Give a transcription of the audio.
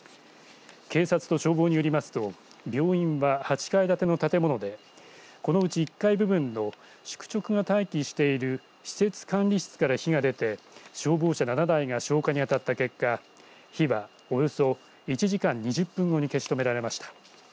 警察と消防によりますと病院は８階建ての建物でこのうち１階部分の宿直が待機している施設管理室から火が出て消防車７台が消火に当たった結果火は、およそ１時間２０分後に消し止められました。